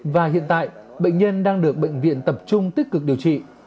và hiện tại bệnh nhân đang được bệnh viện tập trung tích cực điều trị